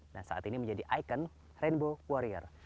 dan saat ini menjadi ikon rainbow warrior